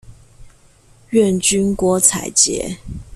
願君郭采潔